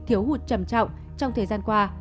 thiếu hụt trầm trọng trong thời gian qua